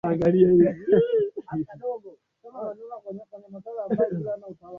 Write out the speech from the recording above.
Ni eneo maarufu ambalo unaweza kuvipata vyakula vya aina hiyo